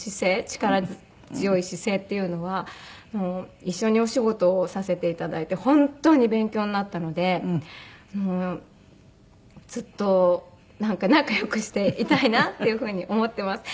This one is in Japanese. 力強い姿勢っていうのは一緒にお仕事をさせていただいて本当に勉強になったのでずっと仲良くしていたいなっていう風に思ってます。